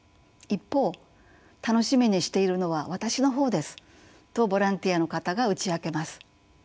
一方「楽しみにしているのは私の方です」とボランティアの方が打ち明けます。